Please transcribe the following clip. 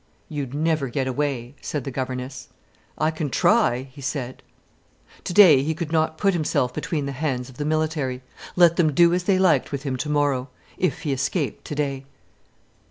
"You'd never get away," said the governess. "I can try," he said. Today he could not put himself between the hands of the military. Let them do as they liked with him tomorrow, if he escaped today.